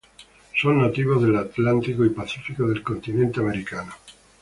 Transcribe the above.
Son nativos del Atlántico y Pacífico del continente americano.